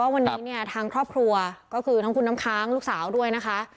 วันนี้เนี่ยทางครอบครัวก็คือทั้งคุณน้ำค้างลูกสาวด้วยนะคะ